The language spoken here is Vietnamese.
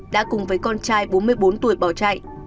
đã cùng với con trai bốn mươi bốn tuổi bỏ chạy